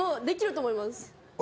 できると思います。